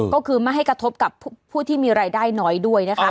ก็คือไม่ให้กระทบกับผู้ที่มีรายได้น้อยด้วยนะคะ